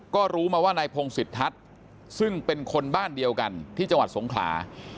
ก็รู้มาว่านายพงศิษย์ทัศน์ซึ่งเป็นคนบ้านเดียวกันที่จังหวัดสงขลา